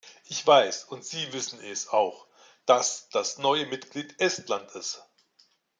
Ich weiß und Sie wissen es auch -, dass das neue Mitglied Estland ist.